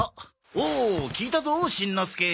おお聞いたぞしんのすけ。